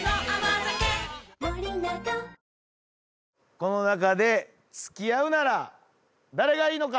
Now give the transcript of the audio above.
この中で付き合うなら誰がいいのか？